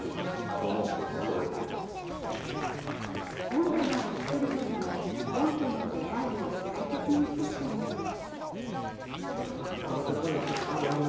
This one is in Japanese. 本棚を作るときも、本との出会いを大切にしてきたのです。